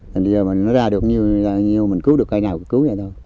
thì bây giờ nó ra được mình cứu được ai nào cũng cứu vậy thôi